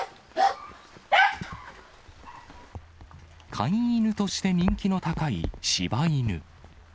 飼い犬として人気の高いしば犬。